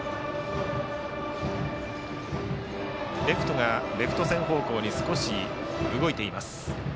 レフトがレフト線方向に少し動いています。